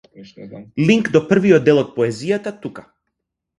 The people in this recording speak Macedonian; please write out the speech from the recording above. Линк до првиот дел од поезијата тука.